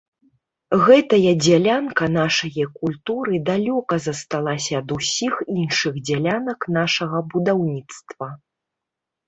Гэтая дзялянка нашае культуры далёка засталася ад усіх іншых дзялянак нашага будаўніцтва.